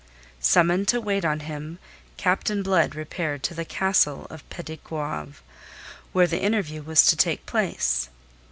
Summoned to wait on him, Captain Blood repaired to the Castle of Petit Goave, where the interview was to take place.